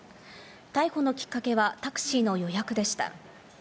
逮捕のきっかけはタクシーの予約でした。